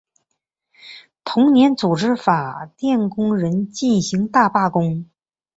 同年组织法电工人进行大罢工。